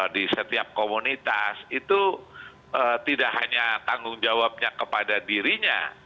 di setiap komunitas itu tidak hanya tanggung jawabnya kepada dirinya